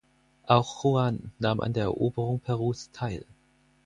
Auch Juan nahm an der Eroberung Perus teil.